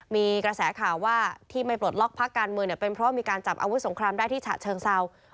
มีกระแสข่าวว่าที่ไม่ปลดล็อกพักการเมืองเนี่ยเป็นเพราะมีการจับอาวุธสงครามได้ที่ฉะเชิงเศร้า